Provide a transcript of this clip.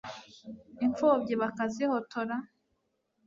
impfubyi bakazihotora